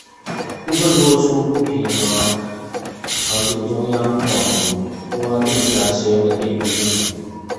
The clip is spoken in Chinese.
部分播出频率与朝鲜中央广播电台使用的频率相同。